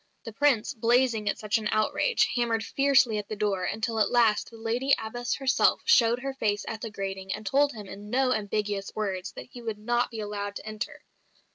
The Prince, blazing at such an outrage, hammered fiercely at the door until at last the Lady Abbess herself showed her face at the grating, and told him in no ambiguous words that he would not be allowed to enter!